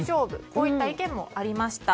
こういった意見もありました。